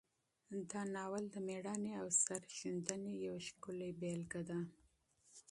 دا ناول د میړانې او سرښندنې یو ښکلی مثال دی.